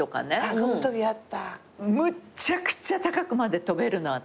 むっちゃくちゃ高くまで跳べるの私。